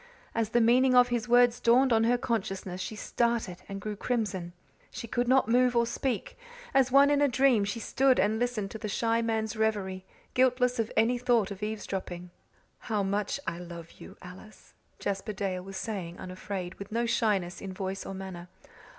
As the meaning of his words dawned on her consciousness she started and grew crimson. She could not move or speak; as one in a dream she stood and listened to the shy man's reverie, guiltless of any thought of eavesdropping. "How much I love you, Alice," Jasper Dale was saying, unafraid, with no shyness in voice or manner.